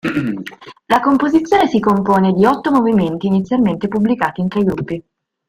La composizione si compone di otto movimenti, inizialmente pubblicati in tre gruppi.